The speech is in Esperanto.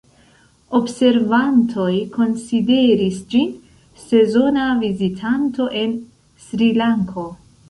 Observantoj konsideris ĝin sezona vizitanto en Srilanko.